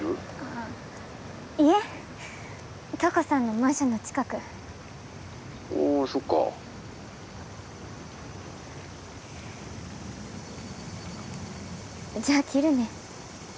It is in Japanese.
ああ家瞳子さんのマンションの近くおおそっかじゃあ切るね